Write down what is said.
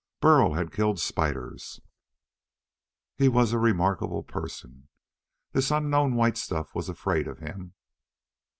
Burl had killed spiders. He was a remarkable person. This unknown white stuff was afraid of him.